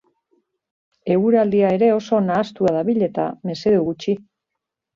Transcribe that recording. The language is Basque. Eguraldia ere oso nahastua dabil eta mesede gutxi.